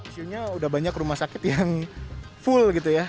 sudah banyak rumah sakit yang full gitu ya